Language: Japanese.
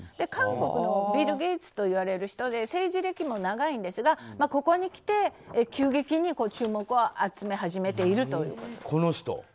韓国のビル・ゲイツといわれる人で政治歴も長いんですがここにきて急激に注目を集め始めているという。